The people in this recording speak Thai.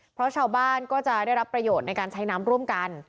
เพราะชาวบ้านก็จะได้รับประโยชน์ในการใช้น้ำร่วมกัน